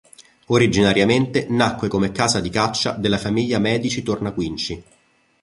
Originariamente nacque come casa di caccia della famiglia Medici-Tornaquinci.